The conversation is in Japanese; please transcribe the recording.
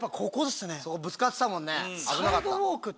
ぶつかってたもんね。